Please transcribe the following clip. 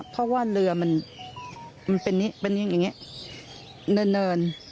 เพราะว่าเรือมันเป็นอย่างนี้เนิน